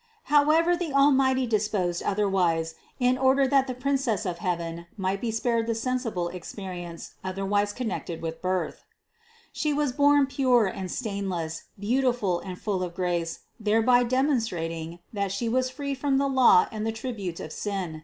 However, the Almighty disposed otherwise, in order that 263 264 CITY OF GOD the Princess of heaven might be spared the sensible ex perience otherwise connected with birth. 327. She was born pure and stainless, beautiful and full of grace, thereby demonstrating, that She was free from the law and the tribute of sin.